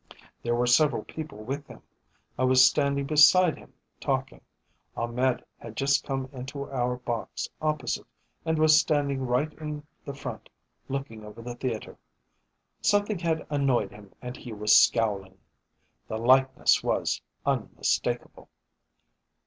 There were several people with him. I was standing beside him, talking. Ahmed had just come into our box opposite and was standing right in the front looking over the theatre. Something had annoyed him and he was scowling. The likeness was unmistakable.